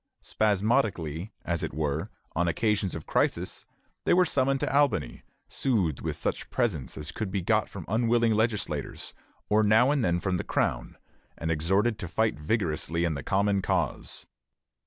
Spasmodically, as it were, on occasions of crisis, they were summoned to Albany, soothed with such presents as could be got from unwilling legislators, or now and then from the Crown, and exhorted to fight vigorously in the common cause.